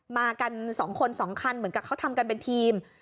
มากัน๒คน๒คันเหมือนกับเขาทำกันเป็นทีม